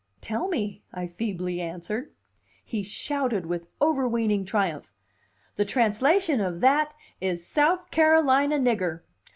"Tell me," I feebly answered. He shouted with overweening triumph: "The translation of that is South Carolina nigger.